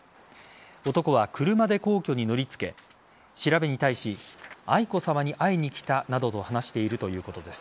男は車で皇居に乗り付け調べに対し愛子さまに会いに来たなどと話しているということです。